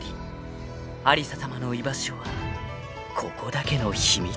［有沙さまの居場所はここだけの秘密］